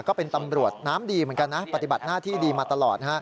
ก็เป็นตำรวจน้ำดีเหมือนกันนะปฏิบัติหน้าที่ดีมาตลอด